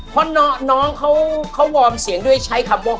เพราะน้องเขาวอร์มเสียงด้วยใช้คำว่า